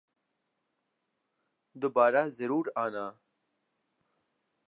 دوبارہ ضرور آنا